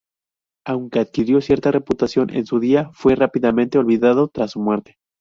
Aunque adquirió cierta reputación en su día, fue rápidamente olvidado tras su muerte.